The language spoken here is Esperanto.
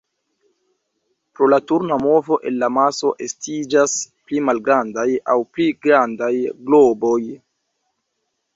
Pro la turna movo el la maso estiĝas pli malgrandaj aŭ pli grandaj globoj.